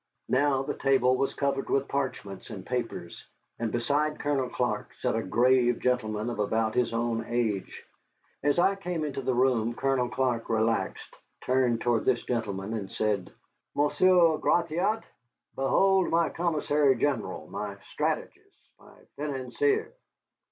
Now the table was covered with parchments and papers, and beside Colonel Clark sat a grave gentleman of about his own age. As I came into the room Colonel Clark relaxed, turned toward this gentleman, and said: "Monsieur Gratiot, behold my commissary general, my strategist, my financier."